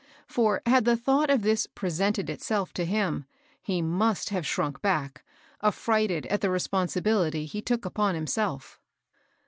For, had the thought of this presented itself to him, (196) THE SAIL LOFT. 197 he must have shrunk back, affrighted at the respon sibility he took upon himself.